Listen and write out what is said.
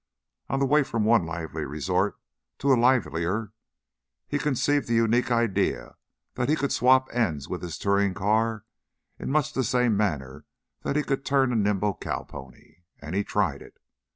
On the way from one lively resort to a livelier he conceived the unique idea that he could "swap ends" with his touring car in much the same manner that he could turn a nimble cow pony, and he tried it.